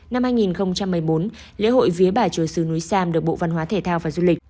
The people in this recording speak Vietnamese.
năm hai nghìn một mươi bốn lễ hội vía bà chùa sứ núi sam được bộ văn hóa thể thao và du lịch